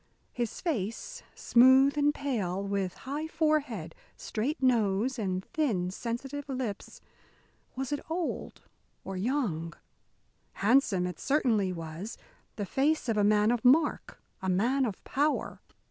His face, smooth and pale, with high forehead, straight nose, and thin, sensitive lips was it old or young? Handsome it certainly was, the face of a man of mark, a man of power.